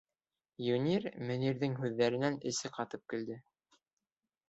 Юнир Мөнирҙең һүҙҙәренән эсе ҡатып көлдө.